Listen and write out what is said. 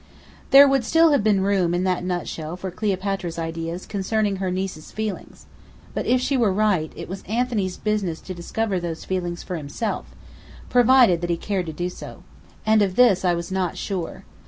There would still have been room in that nutshell for Cleopatra's ideas concerning her niece's feelings. But if she were right, it was Anthony's business to discover those feelings for himself, provided he cared to do so. And of this I was not sure.